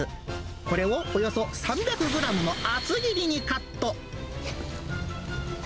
これをおよそ３００グラムの厚切りにカット。